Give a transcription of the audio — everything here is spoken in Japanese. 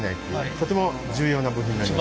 とても重要な部品になります。